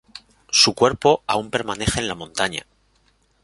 Su cuerpo aún permanece en la montaña.